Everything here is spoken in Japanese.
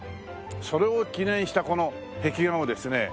それを記念したこの壁画をですね。